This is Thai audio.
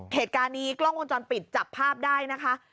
เหตุการณ์นี้กล้องวงจรปิดจับภาพได้นะคะ